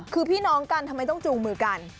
คือพี่น้องกันทำไมต้องจูงมือกัน